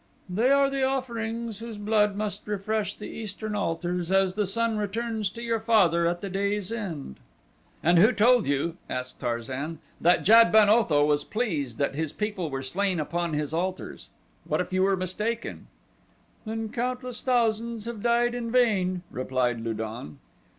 "They are the offerings whose blood must refresh the eastern altars as the sun returns to your father at the day's end." "And who told you," asked Tarzan, "that Jad ben Otho was pleased that his people were slain upon his altars? What if you were mistaken?" "Then countless thousands have died in vain," replied Lu don.